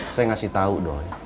saya ngasih tau doi